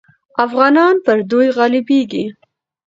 افغانان پر دوی غالبېږي.